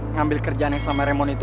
ngambil kerjaan yang sama remon itu